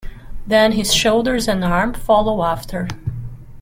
Then his shoulders and arm follow after.